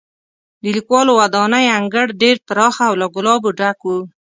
د لیکوالو ودانۍ انګړ ډېر پراخه او له ګلابو ډک و.